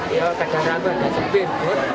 iya kadang kadang ada sedikit